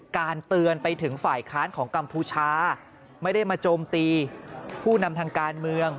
การเตือนไปถึงฝ่ายค้านของกัมพูชาไม่ได้มาโจมตีผู้นำทางการเมือง